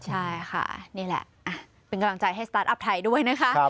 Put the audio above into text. ใช่ค่ะนี่แหละเป็นกำลังใจให้สตาร์ทอัพไทยด้วยนะคะ